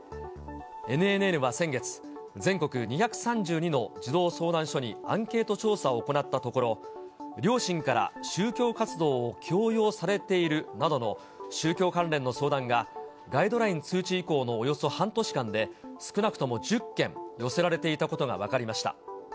ＮＮＮは先月、全国２３２の児童相談所にアンケート調査を行ったところ、両親から宗教活動を強要されているなどの宗教関連の相談が、ガイドライン通知以降のおよそ半年間で、少なくとも１０件寄せられていたことが分かりました。